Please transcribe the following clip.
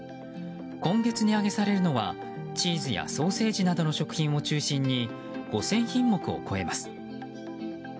今月、値上げされるのはチーズやソーセージなどの食品を中心に５０００品目を超えます。